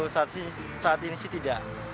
saat ini sih tidak